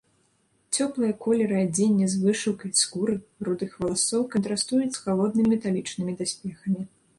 Цёплыя колеры адзення з вышыўкай, скуры, рудых валасоў кантрастуюць з халоднымі металічнымі даспехамі.